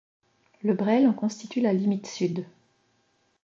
La Bresle en constitue la limite sud.